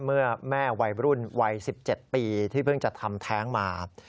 เมื่อแม่วัยรุ่นวัย๑๗ปีที่เพิ่งจะทำแท้งมา